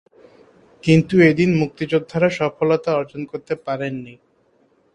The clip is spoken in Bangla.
কিন্তু এদিন মুক্তিযোদ্ধারা সফলতা অর্জন করতে পারেননি।